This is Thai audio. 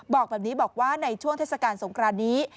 บอกแบบนี้บอกว่าในช่วงเทศกาลสงครานนี้